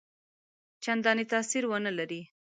څنداني تاثیر ونه لري.